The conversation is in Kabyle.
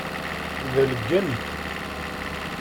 Delgen-t.